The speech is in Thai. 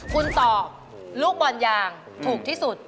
คุณตอบลูกบอลยางถูกที่สุด